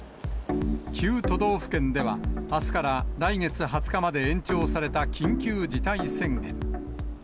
９都道府県では、あすから来月２０日まで延長された緊急事態宣言。